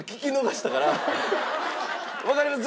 わかります？